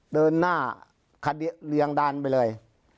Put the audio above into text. เดินหน้าเรียงดันไปเลย